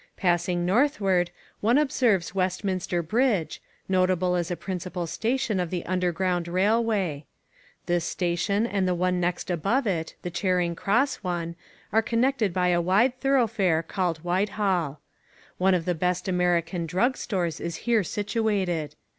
Passing northward, one observes Westminster Bridge, notable as a principal station of the underground railway. This station and the one next above it, the Charing Cross one, are connected by a wide thoroughfare called Whitehall. One of the best American drug stores is here situated.